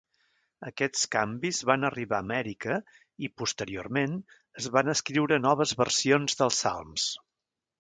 Aquests canvis van arribar a Amèrica i, posteriorment, es van escriure noves versions dels salms.